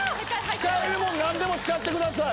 使えるもん何でも使ってください。